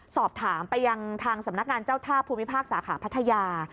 สอบถามไปยังทางสำนักงานเจ้าท่าภูมิภาคสาขาพัทยา